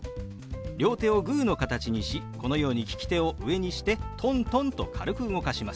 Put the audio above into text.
両手をグーの形にしこのように利き手を上にしてトントンと軽く動かします。